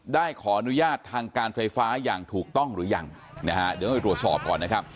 ได้ขออนุญาตทางการไฟฟ้าอย่างถูกต้องหรือยังนะฮะเดี๋ยวไปตรวจสอบก่อนนะครับ